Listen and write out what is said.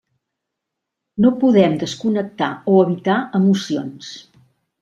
No podem desconnectar o evitar emocions.